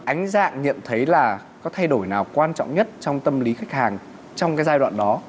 ánh dạng nhận thấy là có thay đổi nào quan trọng nhất trong tâm lý khách hàng trong cái giai đoạn đó